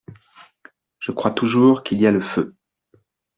Je crois toujours qu’il y a le feu.